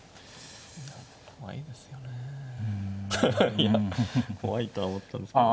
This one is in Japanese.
いや怖いとは思ったんですけど。